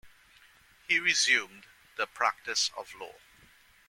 He resumed the practice of law.